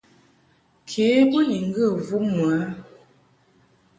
Ke bo ni ŋgə vum mɨ a.